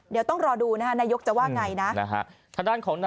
เดี๋ยวต้องรอดูนะฮะนายกจะว่าไงนะ